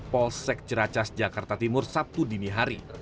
polsek jeracas jakarta timur sabtu dini hari